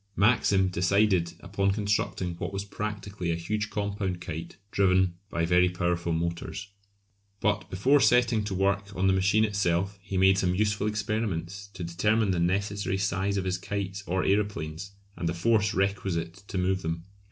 Maxim decided upon constructing what was practically a huge compound kite driven by very powerful motors. But before setting to work on the machine itself he made some useful experiments to determine the necessary size of his kites or aeroplanes, and the force requisite to move them.